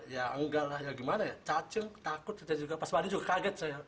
ya enggak lah gimana ya cacing takut pas mandi juga kaget saya